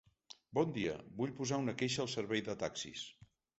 Bon dia, vull posar una queixa al servei de taxis.